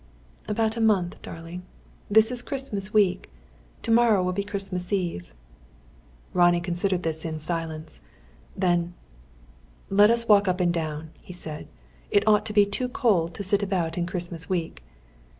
"About a month, darling. This is Christmas week. To morrow will be Christmas Eve." Ronnie considered this in silence. Then: "Let's walk up and down," he said. "It ought to be too cold to sit about in Christmas week."